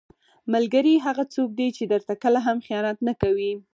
ملګری هغه څوک دی چې درته کله هم خیانت نه کوي.